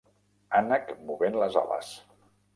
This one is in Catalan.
Ànec movent les ales.